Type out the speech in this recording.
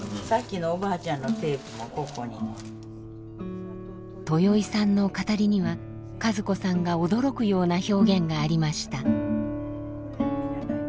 さっきのおばあちゃんのテープもここに。とよいさんの語りには和子さんが驚くような表現がありました。